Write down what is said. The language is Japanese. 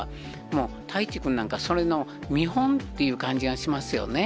もう泰地くんなんか、それの見本という感じがしますよね。